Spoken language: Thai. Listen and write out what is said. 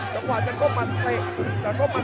จังหวะจะพบมันต่อเลยครับ